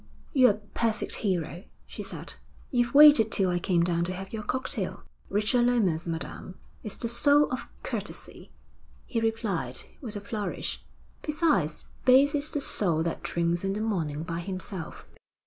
'You're a perfect hero,' she said. 'You've waited till I came down to have your cocktail.' 'Richard Lomas, madam, is the soul of courtesy,' he replied, with a flourish. 'Besides, base is the soul that drinks in the morning by himself.